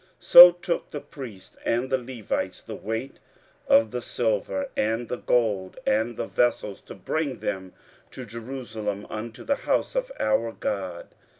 15:008:030 So took the priests and the Levites the weight of the silver, and the gold, and the vessels, to bring them to Jerusalem unto the house of our God.